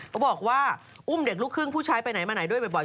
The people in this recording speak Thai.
เขาบอกว่าอุ้มเด็กลูกครึ่งผู้ชายไปไหนมาไหนด้วยบ่อย